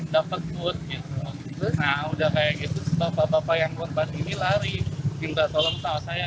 dapat boot gitu nah udah kayak gitu bapak bapak yang korban ini lari cinta tolong tahu saya